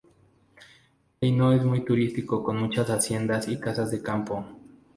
Heino es muy turístico con muchas haciendas y casas de campo.